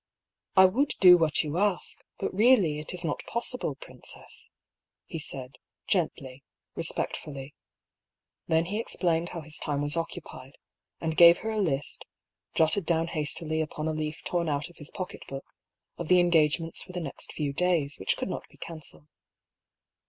" I would do what you ask, but really it is not pos sible, princess," he said, gently, respectfully. Then he explained how his time was occupied, and gave her a list, jotted down hastily upon a leaf torn out of his pocket book, of the engagements for the next few days, which could not be cancelled.